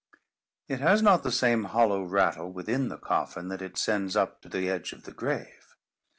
It has not the same hollow rattle within the coffin, that it sends up to the edge of the grave.